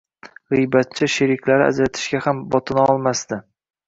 Gʻiybatchi sheriklari ajratishga ham botinisholmadsdi